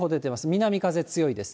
南風強いです。